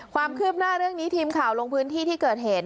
ความคืบหน้าเรื่องนี้ทีมข่าวลงพื้นที่ที่เกิดเหตุ